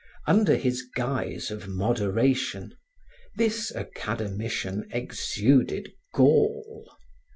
Under his guise of moderation, this academician exuded gall.